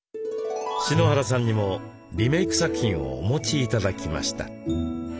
篠原さんにもリメイク作品をお持ち頂きました。